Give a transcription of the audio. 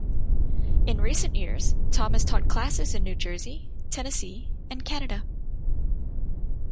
In recent years Tom has taught classes in New Jersey, Tennessee, and Canada.